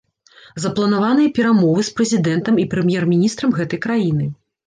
Запланаваныя перамовы з прэзідэнтам і прэм'ер-міністрам гэтай краіны.